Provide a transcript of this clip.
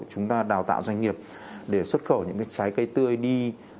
chúng ta đào tạo doanh nghiệp để xuất khẩu những trái cây tươi đi